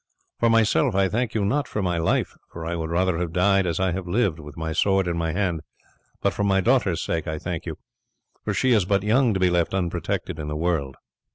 For myself, I thank you not for my life, for I would rather have died as I have lived with my sword in my hand; but for my daughter's sake I thank you, for she is but young to be left unprotected in the world."